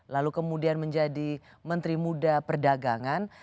lalu kemudian menjadi menteri muda perdagangan